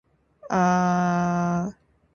Air mataku mengalir di pipiku.